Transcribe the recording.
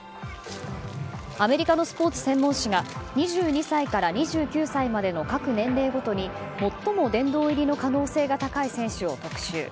アメリカのスポーツ専門誌が２２歳から２９歳までの各年齢ごとに、最も殿堂入りの可能性が高い選手を特集。